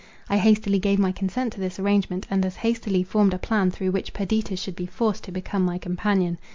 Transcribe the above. I hastily gave my consent to this arrangement, and as hastily formed a plan through which Perdita should be forced to become my companion.